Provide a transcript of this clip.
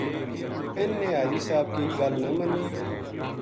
اِنھ نے حاجی صاحب کی گل نہ منی